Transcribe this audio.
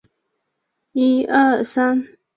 它们的攻击性也比其他同类生物强得多。